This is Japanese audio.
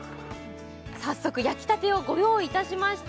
早速焼きたてをご用意いたしました